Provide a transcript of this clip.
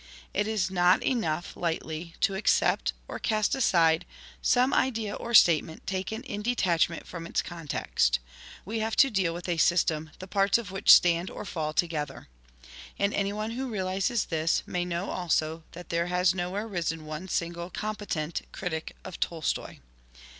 It is not enough lightly to accept, or cast aside, some idea or statement taken in detachment from its context. We have to deal with a system the parts of which stand or fall to gether. And anyone who realises this, may know also that there has nowhere risen one single com petent critic of Tolstoi'.